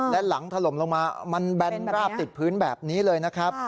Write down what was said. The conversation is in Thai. และหลังถล่มลงมามันแบนราบติดพื้นแบบนี้เลยนะครับ